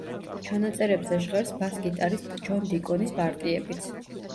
ჩანაწერებზე ჟღერს ბას-გიტარისტ ჯონ დიკონის პარტიებიც.